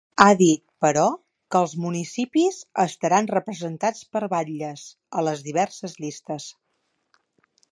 Ha dit, però, que ‘els municipis estaran representats per batlles’ a les diverses llistes.